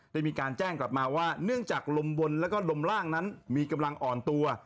ได้มีการแจ้งกลับมาว่าเนื่องจากลมบนแล้วก็ลมล่างนั้นมีกำลังอ่อนตัว